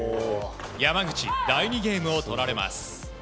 山口、第２ゲームを取られます。